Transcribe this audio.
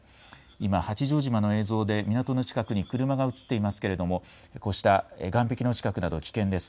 今、八丈島の映像で港の近くに車が映っていますけれどもこうした岸壁の近くなど危険です。